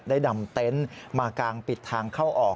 ดำเต็นต์มากางปิดทางเข้าออก